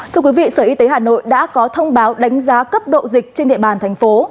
thưa quý vị sở y tế hà nội đã có thông báo đánh giá cấp độ dịch trên địa bàn thành phố